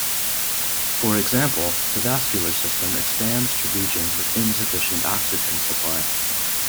For example, the vascular system expands to regions with insufficient oxygen supply.